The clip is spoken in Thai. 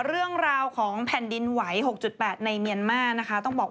เรื่องราวของแผ่นดินไหว้๖๘ในเมียนมานนะคะ